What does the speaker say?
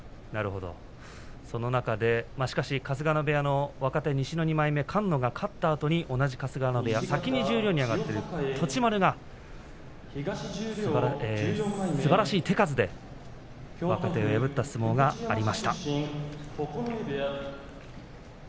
その中でしかし、春日野部屋の西の２番目、菅野が勝たあとで先に十両に上がった栃丸が、すばらしい手数で若手を破った相撲がありました。